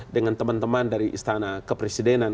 dengan teman teman dari istana kepresidenan